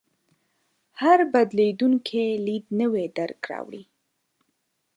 هر بدلېدونکی لید نوی درک راوړي.